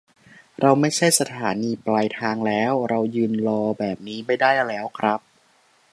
เราไม่ใช่สถานีปลายทางแล้ว เรายืนรอแบบนี้ไม่ได้แล้วครับ